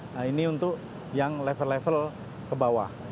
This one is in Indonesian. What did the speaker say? nah ini untuk yang level level ke bawah